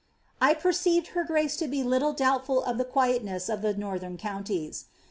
I perceived her grace to be little dottbtfiil of the qnOr ness of the northern counties.